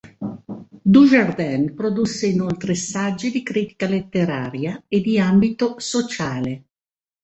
Dujardin produsse inoltre saggi di critica letteraria e di ambito sociale.